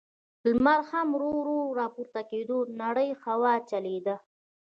لمر هم ورو، ورو په راپورته کېدو و، نرۍ هوا چلېده.